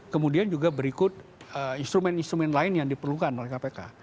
kemudian juga berikut instrumen instrumen lain yang diperlukan oleh kpk